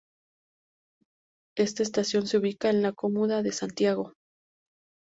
Está estación se ubica en la comuna de Santiago.